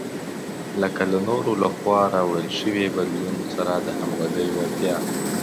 لکه له نورو لخوا راوړل شوي بدلون سره د همغږۍ وړتیا.